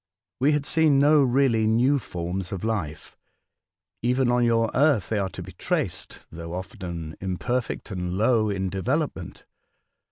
We had seen no really new forms of life. Even on your Earth they are to be traced, though often imperfect and low in development.